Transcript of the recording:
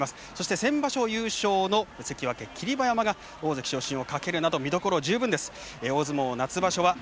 そして、先場所優勝の関脇霧馬山が大関昇進をかけるなど見どころ満載です。